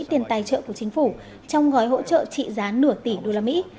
tiền tài trợ của chính phủ trong gói hỗ trợ trị giá nửa tỷ đô la mỹ